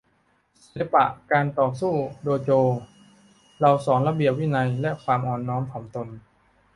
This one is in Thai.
ศิลปะการต่อสู้โดโจ เราสอนระเบียบวินัยและความอ่อนน้อมถ่อมตน